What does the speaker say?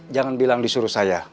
jangan bilang disuruh saya